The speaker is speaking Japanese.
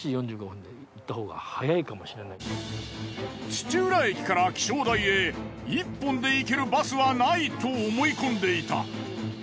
土浦駅から気象台へ１本で行けるバスはないと思い込んでいた。